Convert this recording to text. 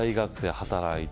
働いてる？